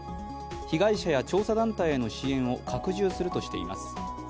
被害者や調査団体への支援を拡充するとしています。